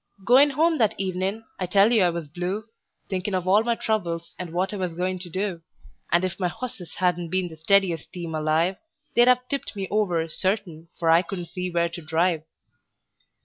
Goin' home that evenin' I tell you I was blue, Thinkin' of all my troubles, and what I was goin' to do; And if my hosses hadn't been the steadiest team alive, They'd 've tipped me over, certain, for I couldn't see where to drive.